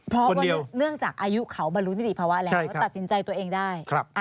เพราะว่าเนื่องจากอายุเขาบรรลุนิติภาวะแล้วตัดสินใจตัวเองได้